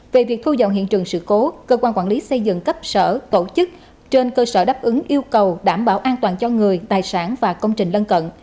về việc thu dọn hiện trường sự cố cơ quan quản lý xây dựng cấp sở tổ chức trên cơ sở đáp ứng yêu cầu đảm bảo an toàn cho người tài sản và công trình lân cận